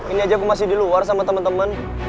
ini aja aku masih di luar sama temen temen